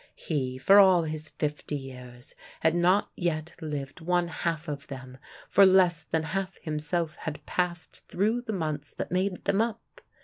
He, for all his fifty years, had not yet lived one half of them, for less than half himself had passed through the months that made them up.